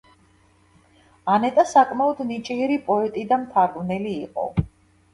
ანეტა საკმაოდ ნიჭიერი პოეტი და მთარგმნელი იყო.